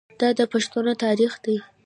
دا د پښتنو تاریخ دی.